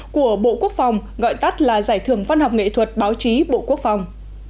của bộ quốc phòng gọi tắt là giải thưởng văn học nghệ thuật báo chí bộ quốc phòng